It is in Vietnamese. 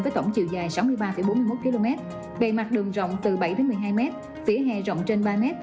với tổng chiều dài sáu mươi ba bốn mươi một km bề mặt đường rộng từ bảy một mươi hai m vỉa hè rộng trên ba m